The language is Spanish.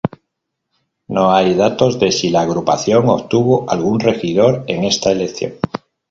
No hay datos de si la agrupación obtuvo algún regidor en esta elección.